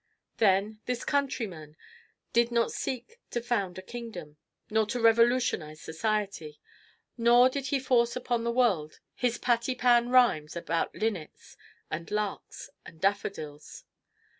Then, this countryman did not seek to found a kingdom, nor to revolutionize society, nor did he force upon the world his pattypan rhymes about linnets, and larks, and daffodils.